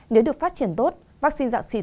nếu được phát triển tốt vaccine dạng xịt